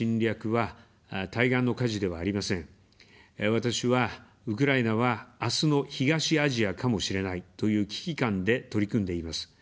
私は「ウクライナは、あすの東アジアかもしれない」という危機感で取り組んでいます。